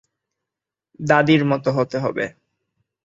দাদির মতো হতে হবে।